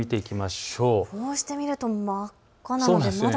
こうして見ると真っ赤なんですね。